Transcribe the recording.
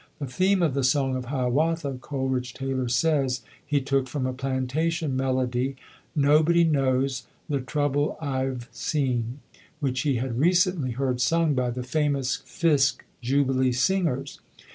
The theme of "The Song of Hiawatha" Coleridge Taylor says he took from a plantation melody, "Nobody Knows the Trouble I've Seen", which he had recently heard sung by the famous Fisk Jubilee Singers.